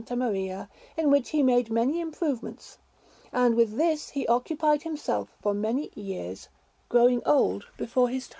Maria, in which he made many improvements; and with this he occupied himself for many years, growing old before his time.